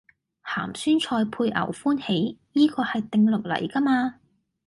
鹹酸菜配牛歡喜，依個係定律嚟㗎嘛